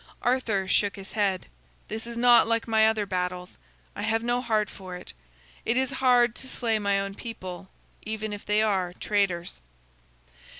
Arthur shook his head. "This is not like my other battles. I have no heart for it. It is hard to slay my own people, even if they are traitors."